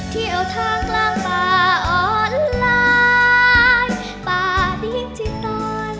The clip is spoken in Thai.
เที่ยวทางกลางป่าอ่อนร้ายป่าดิ้งจิตตอน